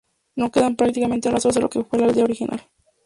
No quedan prácticamente rastros de lo que fue la aldea original.